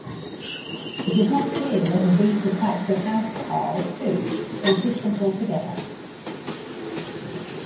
It is not clear whether these were types of "housecarl" too or different altogether.